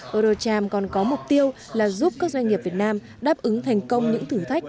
eurocharm còn có mục tiêu là giúp các doanh nghiệp việt nam đáp ứng thành công những thử thách